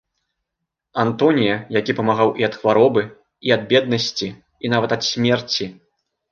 Антонія, які памагаў і ад хваробы, і ад беднасці, і нават ад смерці.